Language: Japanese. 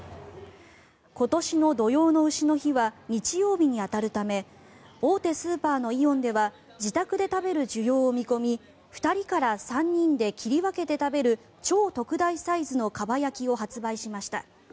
今年の土用の丑の日は日曜日に当たるため大手スーパーのイオンでは自宅で食べる需要を見込み２人から３人で切り分けて食べる超特大サイズのかば焼きを発売しました。